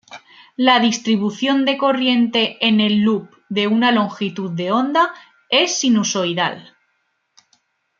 La distribución de corriente en el loop de una longitud de onda es sinusoidal.